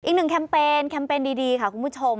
อีกหนึ่งแคมเปญแคมเปญดีค่ะคุณผู้ชม